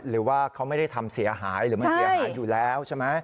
หรือว่าเขาไม่ได้ทำเสียหายหรือมันเสียหายอยู่แล้วใช่ไหม